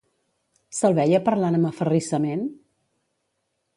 Se'l veia parlant amb aferrissament?